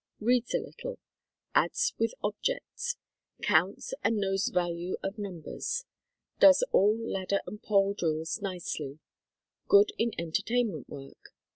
Reads a little. Adds with objects. Counts and knows value of numbers. Does all ladder and pole drills nicely. Good in en tertainment work.